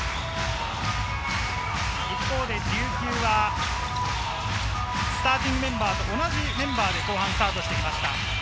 一方で琉球はスターティングメンバーと同じメンバーでスタートしてきました。